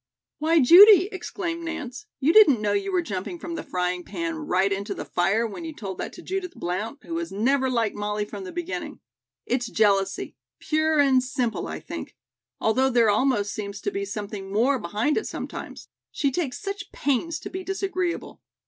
'" "Why, Judy," exclaimed Nance, "you didn't know you were jumping from the frying pan right into the fire when you told that to Judith Blount, who has never liked Molly from the beginning. It's jealousy, pure and simple, I think; although there almost seems to be something more behind it sometimes. She takes such pains to be disagreeable.